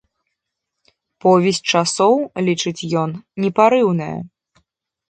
Повязь часоў, лічыць ён, непарыўная.